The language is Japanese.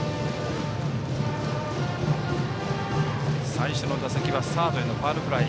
最初の打席はサードへのファウルフライ。